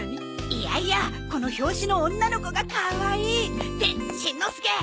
いやいやこの表紙の女の子がかわいい。ってしんのすけ！